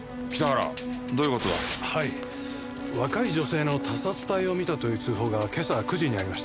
若い女性の他殺体を見たという通報が今朝９時にありました。